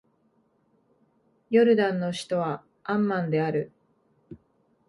ヨルダンの首都はアンマンである